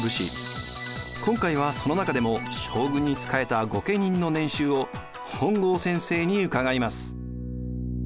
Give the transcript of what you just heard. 今回はその中でも将軍に仕えた御家人の年収を本郷先生に伺います。